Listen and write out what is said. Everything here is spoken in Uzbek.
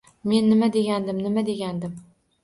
Men nima degandim, Nima degandim